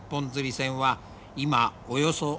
船は今およそ１００隻。